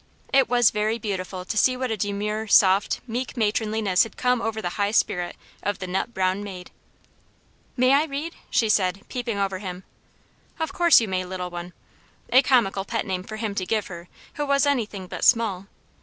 It was very beautiful to see what a demure, soft, meek matronliness had come over the high spirit of the "Nut browne Mayde." "May I read?" she said, peeping over him. "Of course you may, little one." A comical pet name for him to give her, who was anything but small.